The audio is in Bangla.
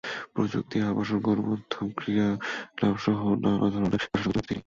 প্রযুক্তি, আবাসন, গণমাধ্যম, ক্রীড়া ক্লাবসহ নানা ধরনের ব্যবসার সঙ্গে জড়িত তিনি।